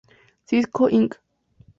Cisco Inc.